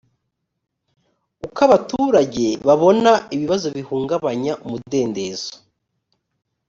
uko abaturage babona ibibazo bihungabanya umudendezo